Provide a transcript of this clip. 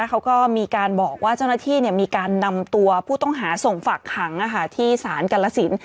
เขาก็มีการบอกว่าเจ้าหน้าที่มีการนำตัวผู้ต้องหาส่งฝากขังที่ศาลกรสิน